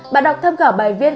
bạn đọc tham khảo bài viết